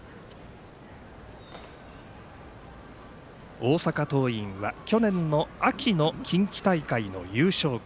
大阪桐蔭は去年の秋の近畿大会の優勝校。